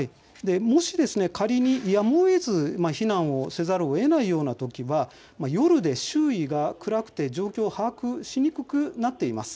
もしですね仮にやむをえず避難をせざるをえないようなときは夜で周囲が暗くて状況把握しにくくなっています。